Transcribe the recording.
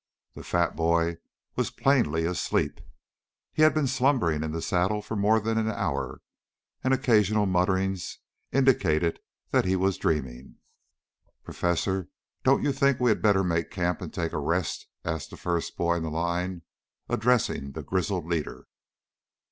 The fat boy was plainly asleep. He had been slumbering in the saddle for more than an hour, and occasional mutterings indicated that he was dreaming. "Professor, don't you think we had better make camp and take a rest?" asked the first boy in the line, addressing the grizzled leader.